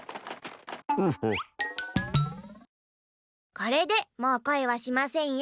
これでもうこえはしませんよ。